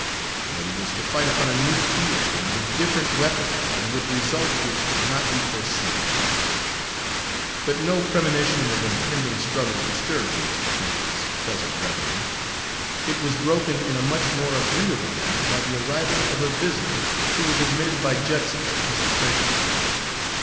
But he was to fight upon a new field, and with different weapons, and with results which could not be foreseen. But no premonition of impending struggle disturbed Mr. French's pleasant reverie; it was broken in a much more agreeable manner by the arrival of a visitor, who was admitted by Judson, Mr. French's man.